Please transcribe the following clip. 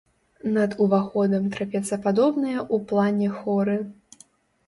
Над уваходам трапецападобныя ў плане хоры.